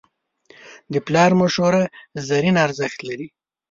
د پلار مشوره زرین ارزښت لري.